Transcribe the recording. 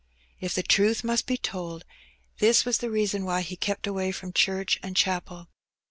If the truth must be told, this was the reason why he kept away from church and chapel.